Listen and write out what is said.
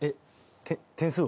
点数？